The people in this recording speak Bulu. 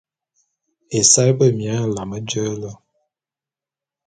Esaé bemie nlame nje le.